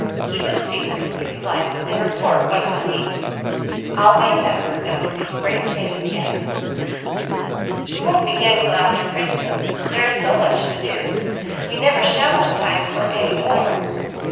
Keep it secret, if you like, and report once a week. I'll be a member, and we'll do great things yet." "We won't begin till after Christmas; there is so much to do, we never shall have time for any more.